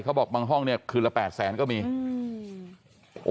บางห้องเนี่ยคืนละแปดแสนก็มีอืม